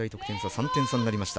３点差になりました。